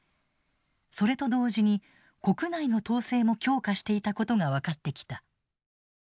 それと同時に国内の統制も強化していたことが分かってきた。